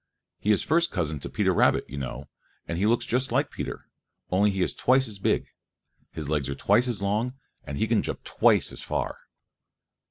He is first cousin to Peter Rabbit, you know, and he looks just like Peter, only he is twice as big. His legs are twice as long and he can jump twice as far.